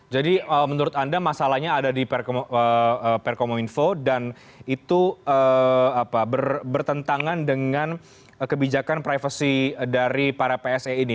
jadi menurut anda masalahnya ada di permen kominfo dan itu bertentangan dengan kebijakan privasi dari para pse ini